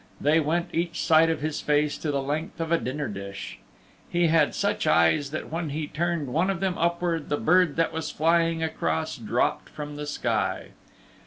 They went each side of his face to the length of a dinner dish. He had such eyes that when he turned one of them upward the bird that was flying across dropped from the sky.